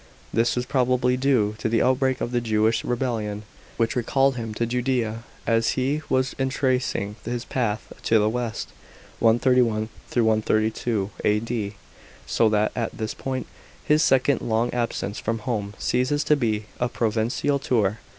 This was probably due to the outbreak of the Jewish rebellion, which recalled him to Judea as he was retracing his path to the west (131 132 A.D.); so that at this point his second long absence from Home ceases to be a provincial tour.